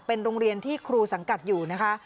เป็นโรงเรียนที่ครูสังกัดอยู่นะคะ